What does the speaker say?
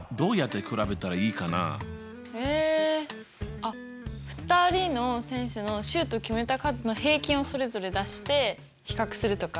あっ２人の選手のシュートを決めた数の平均をそれぞれ出して比較するとか？